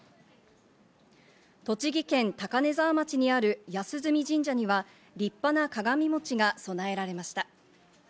栃木県高根沢町にある安住神社には立派な鏡餅が供えられました。